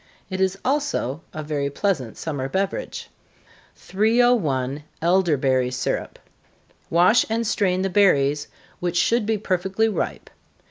It is also a very pleasant summer beverage. 301. Elderberry Syrup. Wash and strain the berries, which should be perfectly ripe.